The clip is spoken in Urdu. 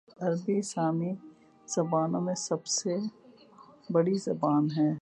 عربی سامی زبانوں میں سب سے بڑی زبان ہے